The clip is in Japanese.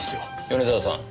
米沢さん。